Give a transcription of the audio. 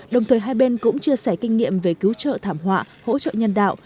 đồng thời hai bên cũng chia sẻ kinh nghiệm về cứu trợ thảm họa hỗ trợ nhân đạo